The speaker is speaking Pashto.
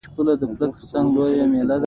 زه به تر کله و تا ته انتظار يم.